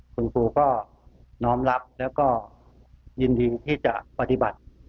คุณครูก็น้อมรับแล้วก็ยินดีที่จะปฏิบัติ